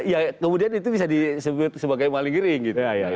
ya kemudian itu bisa disebut sebagai maling jering